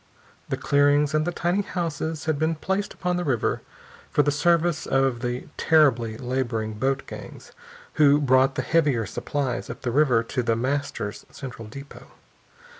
The clearings and the tiny houses had been placed upon the river for the service of the terribly laboring boat gangs who brought the heavier supplies up the river to The Master's central depot.